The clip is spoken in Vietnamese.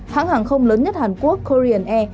hãng hàng không lớn nhất hàn quốc korean air